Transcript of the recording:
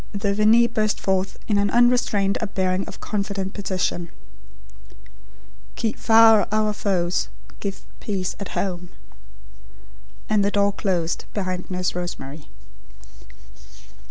'" The Veni burst forth in an unrestrained upbearing of confident petition: "Keep far our foes; give peace at home" and the door closed behind Nurse Rosemary.